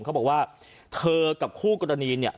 เขาบอกว่าเธอกับคู่กรณีเนี่ย